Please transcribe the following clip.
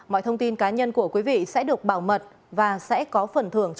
mọi thông tin cá nhân của quý vị sẽ được bảo mật và sẽ có phần thưởng cho